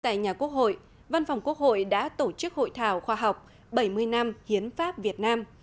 tại nhà quốc hội văn phòng quốc hội đã tổ chức hội thảo khoa học bảy mươi năm hiến pháp việt nam